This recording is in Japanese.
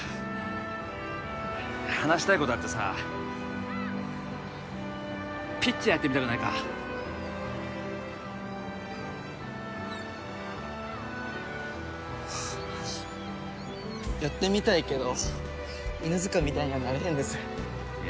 話したいことあってさピッチャーやってみたくないかやってみたいけど犬塚みたいにはなれへんですいや